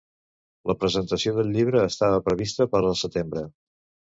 La presentació del llibre estava prevista per el setembre